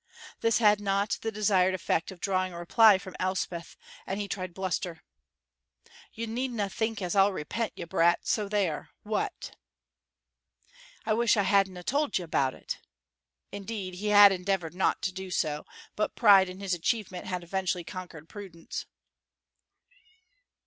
This had not the desired effect of drawing a reply from Elspeth, and he tried bluster. "You needna think as I'll repent, you brat, so there! What? "I wish I hadna told you about it!" Indeed, he had endeavored not to do so, but pride in his achievement had eventually conquered prudence.